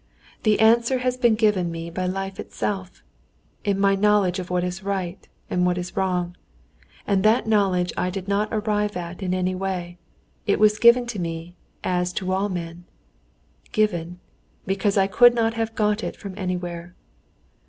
The answer has been given me by life itself, in my knowledge of what is right and what is wrong. And that knowledge I did not arrive at in any way, it was given to me as to all men, given, because I could not have got it from anywhere.